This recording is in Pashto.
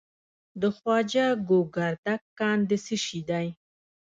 د خواجه ګوګردک کان د څه شي دی؟